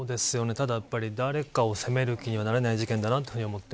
ただ、誰かを責める気にはなれない事件だなと思って。